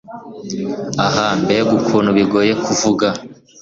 Ah mbega ukuntu bigoye kuvuga